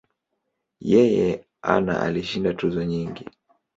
Yeye ana alishinda tuzo nyingi.